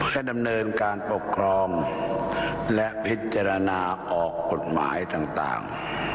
ได้ดำเนินการปกครองและพิจารณาออกกฎหมายต่าง